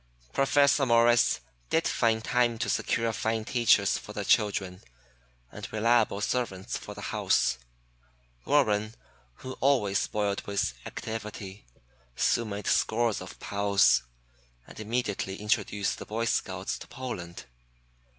Professor Morris did find time to secure fine teachers for the children, and reliable servants for the house. Warren, who always boiled with activity, soon made scores of pals, and immediately introduced the Boy Scouts to Poland.